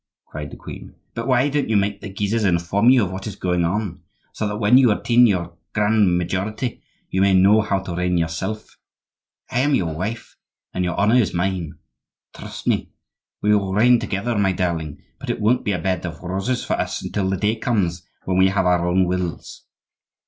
cried the queen. "But why don't you make the Guises inform you of what is going on, so that when you attain your grand majority you may know how to reign yourself? I am your wife, and your honor is mine. Trust me! we will reign together, my darling; but it won't be a bed of roses for us until the day comes when we have our own wills.